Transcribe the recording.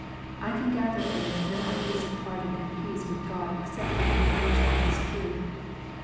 I can gather from it no ideas of pardon and peace with God excepting in connection with this truth.